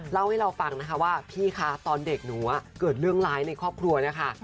เล่าให้เราฟังนะคะว่าพี่คะตอนเด็กหนูเกิดเรื่องร้ายในครอบครัวนะคะ